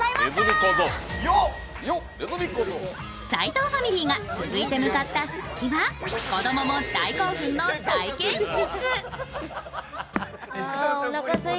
斎藤ファミリーが続いて向かった先は子供も大興奮の体験施設。